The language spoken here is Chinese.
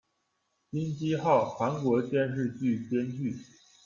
金基浩，韩国电视剧编剧。